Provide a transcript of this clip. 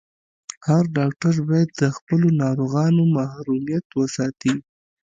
هر ډاکټر باید د خپلو ناروغانو محرميت وساتي.